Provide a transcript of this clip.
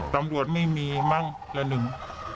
ตำรวจไม่มีมั้งละหนึ่ง